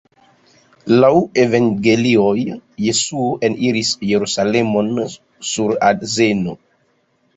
Laŭ Evangelioj, Jesuo eniris Jerusalemon sur azeno.